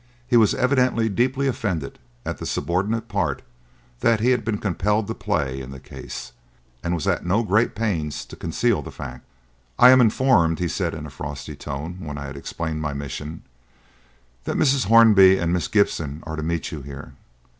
He was evidently deeply offended at the subordinate part that he had been compelled to play in the case, and was at no great pains to conceal the fact. "I am informed," said he, in a frosty tone, when I had explained my mission, "that Mrs. Hornby and Miss Gibson are to meet you here.